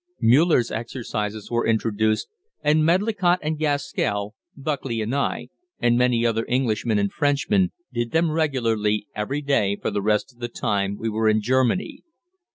Müller's exercises were introduced, and Medlicott and Gaskell, Buckley and I, and many other Englishmen and Frenchmen, did them regularly every day for the rest of the time we were in Germany.